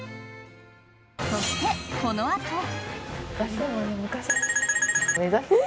そして、このあと。